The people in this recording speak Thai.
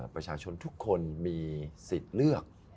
ประชาชนทุกคนมีสิทธิ์เลือก